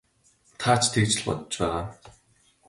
Та ч тэгж л бодож байгаа.